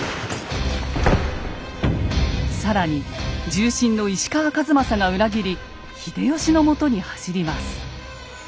更に重臣の石川数正が裏切り秀吉のもとに走ります。